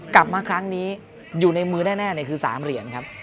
กลับมาครั้งนี้อยู่ในมือแน่คือ๓เหรียญครับ